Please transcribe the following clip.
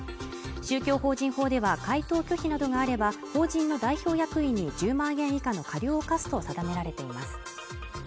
宗教法人法では回答拒否などがあれば法人の代表役員に１０万円以下の過料を科すことを定められています